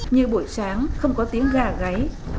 như buổi sáng không có tiếng gà gáy